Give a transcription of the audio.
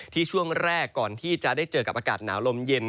ช่วงแรกก่อนที่จะได้เจอกับอากาศหนาวลมเย็น